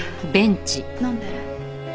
飲んだら？